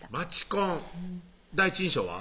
コン第一印象は？